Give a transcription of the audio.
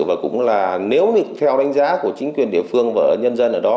và cũng là nếu như theo đánh giá của chính quyền địa phương và nhân dân ở đó